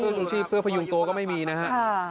เพื่อนสูงชีพเสื้อพยุงโตก็ไม่มีนะฮะ